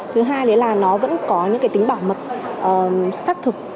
thứ hai là nó vẫn có những tính bảo mật xác thực